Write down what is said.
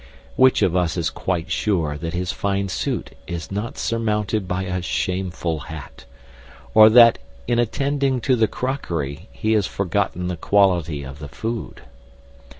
Which of us is quite sure that his fine suit is not surmounted by a shameful hat, or that in attending to the crockery he has forgotten the quality of the food?